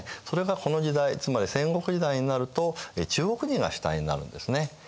それがこの時代つまり戦国時代になると中国人が主体になるんですね。